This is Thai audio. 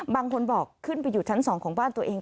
บางคนบอกขึ้นไปอยู่ชั้น๒ของบ้านตัวเอง